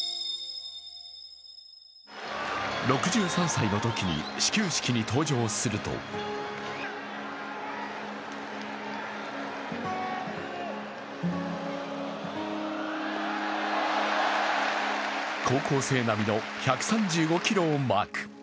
６３歳のときに始球式に登場すると高校生並みの１３５キロをマーク。